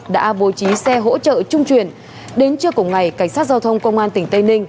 đã bố trí xe hỗ trợ trung chuyển đến trưa cùng ngày cảnh sát giao thông công an tỉnh tây ninh